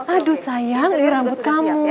aduh sayang rambut kamu